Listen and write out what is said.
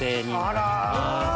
あら。